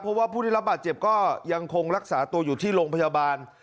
เพราะว่าผู้ได้รับบาดเจ็บก็ยังคงรักษาตัวอยู่ที่โรงพยาบาล